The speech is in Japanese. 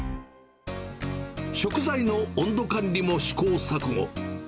食材の温度管理も試行錯誤。